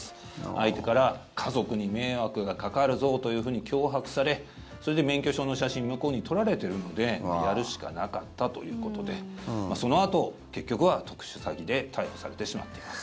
相手から家族に迷惑がかかるぞというふうに脅迫されそれで免許証の写真を向こうに撮られてるのでやるしかなかったということでそのあと結局は特殊詐欺で逮捕されてしまっています。